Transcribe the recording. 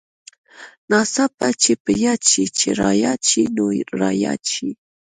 ناڅاپه چې په ياد شې چې راياد شې نو راياد شې.